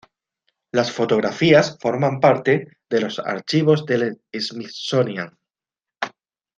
Las fotografías forman parte de los archivos del Smithsonian.